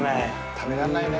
食べられないね。